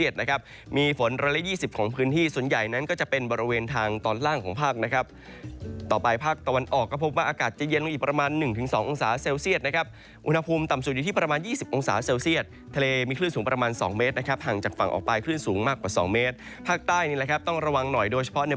นะครับมีฝน๑๒๐ของพื้นที่ส่วนใหญ่นั้นก็จะเป็นบริเวณทางตอนล่างของภาคนะครับต่อไปภาคตะวันออกก็พบว่าอากาศจะเย็นลงอีกประมาณ๑๒องศาเซลเซียตนะครับอุณหภูมิต่ำสุดอยู่ที่ประมาณ๒๐องศาเซลเซียตทะเลมีคลื่นสูงประมาณ๒เมตรนะครับห่างจากฝั่งออกไปคลื่นสูงมากกว่า๒เมตรภาคใต้นี่แหละครับต้องระวังหน่อยโดยเฉพาะใน